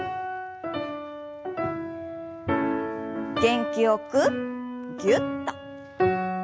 元気よくぎゅっと。